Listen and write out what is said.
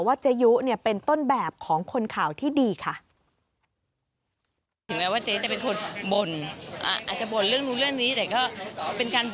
เจยุเนี่ยเป็นต้นแบบของคนข่าวที่ดีค่ะ